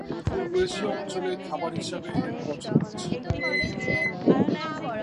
পূর্ব এশীয় অঞ্চলে খাবার হিসেবে এর প্রচলন আছে।